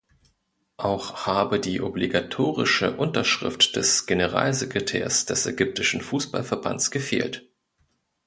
Auch habe die obligatorische Unterschrift des Generalsekretärs des ägyptischen Fußballverbands gefehlt.